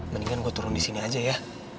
mendingan gue turun di sini aja ya